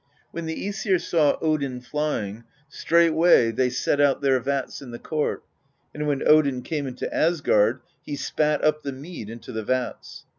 When the iEsir saw Odin flying, straightway they set out their vats in the court; and when Odin came into Asgard, he spat up the mead into the vats.